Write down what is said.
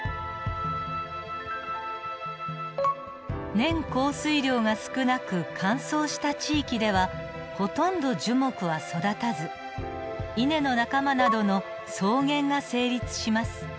年降水量が少なく乾燥した地域ではほとんど樹木は育たずイネの仲間などの草原が成立します。